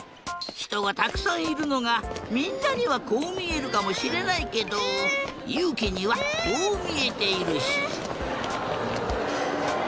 ひとがたくさんいるのがみんなにはこうみえるかもしれないけどゆうきにはこうみえているし。